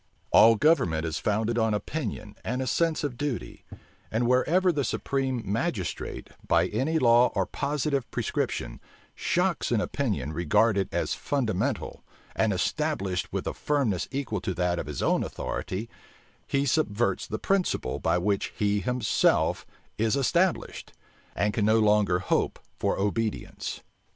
All government is founded on opinion and a sense of duty; and wherever the supreme magistrate, by any law or positive prescription, shocks an opinion regarded as fundamental, and established with a firmness equal to that of his own authority, he subverts the principle by which he himself is established, and can no longer hope for obedience.